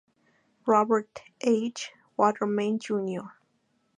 Robert H. Waterman, Jr.